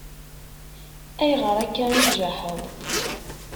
Ayɣer akka i tjaḥeḍ?